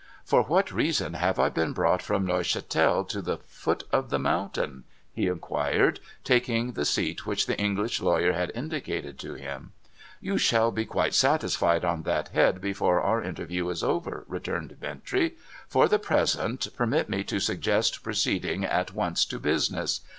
' For what reason have I been brought from Neuchatel to the foot of the mountain ?' he inquired, taking the seat which the English lawyer had indicated to him. ' You shall be quite satisfied on that head before our interview is over,' returned Bintrey. ' For the present, permit me to suggest proceeding at once to business.